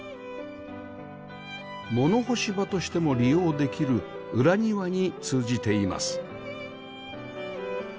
物干し場としても利用できる裏庭に通じています